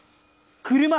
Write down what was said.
車！